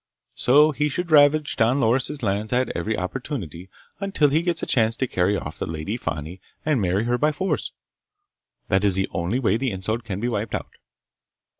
So he should ravage Don Loris' lands at every opportunity until he gets a chance to carry off the Lady Fani and marry her by force. That is the only way the insult can be wiped out."